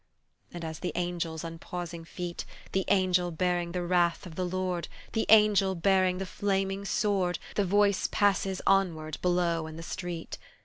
And as the angel's unpausing feet, The angel bearing the wrath of the Lord, The angel bearing the flaming sword, The voice passes onward below in the street.